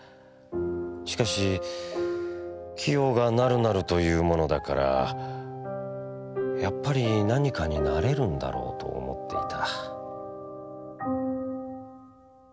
しかし清がなるなると云うものだからやっぱり何かに成れるんだろうと思っていた」。